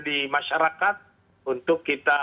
di masyarakat untuk kita